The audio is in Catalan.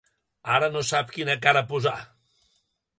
Ara no sap quina cara posar.